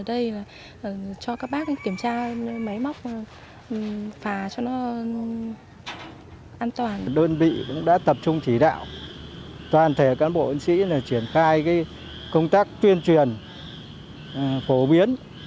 đơn vị cũng đã tập trung chỉ đạo toàn thể cán bộ ấn sĩ là triển khai công tác tuyên truyền phổ biến